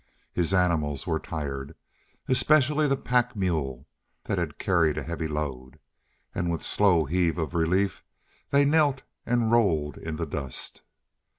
His animals were tired, especially the pack mule that had carried a heavy load; and with slow heave of relief they knelt and rolled in the dust.